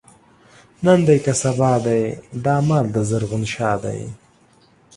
نن دی که سبا دی، دا مال دَ زرغون شاه دی